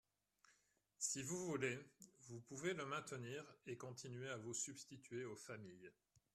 Si vous voulez, vous pouvez le maintenir et continuer à vous substituer aux familles.